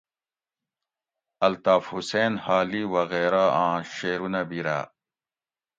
الطاف حسین حالی وغیرہ آں شعرونہ بیراۤ